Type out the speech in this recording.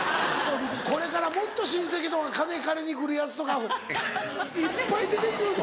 これからもっと親戚とか金借りに来るヤツとかいっぱい出て来るぞ。